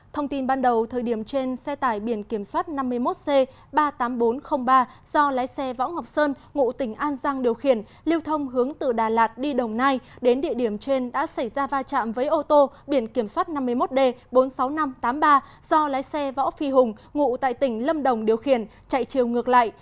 thông tin ban đầu thời điểm trên xe tải biển kiểm soát năm mươi một c ba mươi tám nghìn bốn trăm linh ba do lái xe võ ngọc sơn ngụ tỉnh an giang điều khiển lưu thông hướng từ đà lạt đi đồng nai đến địa điểm trên đã xảy ra va chạm với ô tô biển kiểm soát năm mươi một d bốn mươi sáu nghìn năm trăm tám mươi ba do lái xe võ phi hùng ngụ tại tỉnh lâm đồng điều khiển chạy chiều ngược lại